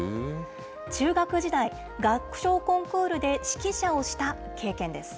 中学時代、合唱コンクールで指揮者をした経験です。